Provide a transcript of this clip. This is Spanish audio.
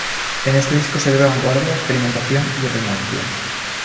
En este disco se ve vanguardia, experimentación y renovación.